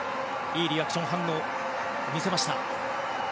いいリアクションを見せました。